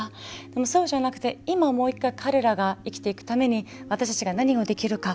でも、そうじゃなくて今、もう１回彼らが生きていくために私たちが何をできるか。